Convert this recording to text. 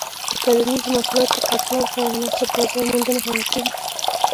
د کرنیزو محصولاتو د خرڅلاو لپاره مناسب بازار موندنه حیاتي ده.